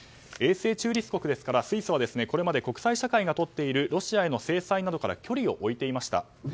永世中立国ですから、スイスはこれまで国際社会がとっているロシアへの制裁などから距離を置いていました。